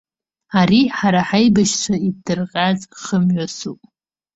Ари ҳара ҳаибашьыҩцәа иҭдырҟьаз хымҩасуп.